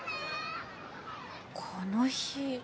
この日。